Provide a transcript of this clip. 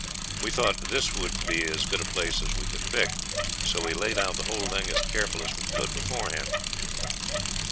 We thought this would be as good a place as we could pick, so we laid out the whole thing as careful as we could beforehand.